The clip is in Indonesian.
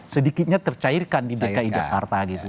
sedikitnya tercairkan di dki jakarta gitu